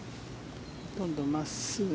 ほとんど真っすぐ。